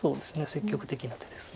積極的な手です。